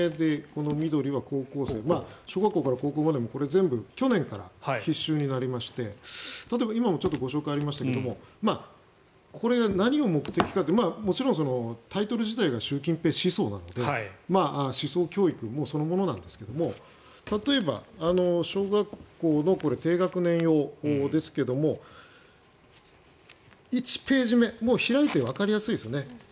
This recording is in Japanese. この緑は高校生と小学校から高校まで去年から必修になりまして例えば今もご紹介がありましたがこれ、何が目的かってもちろんタイトルが習近平思想なので思想教育そのものなんですけど例えば、小学校の低学年用ですが１ページ目開いてわかりやすいですよね。